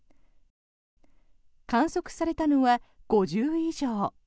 観測されたのは５０以上。